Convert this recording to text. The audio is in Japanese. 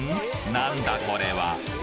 なんだこれは！？